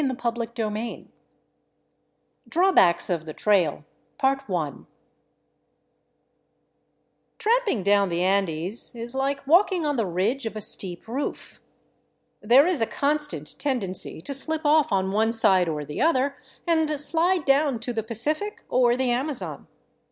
I 269 CHAPTER XI DRAWBACKS OF THE TRAIL TRAMPING down the Andes is like walking on the ridge of a steep roof ; there is a constant tendency to slip off on one side or the other and slide down to the Pacific or the Amazon.